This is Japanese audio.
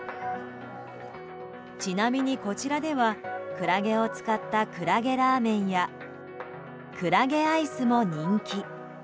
ちなみに、こちらではクラゲを使ったクラゲラーメンやクラゲアイスも人気。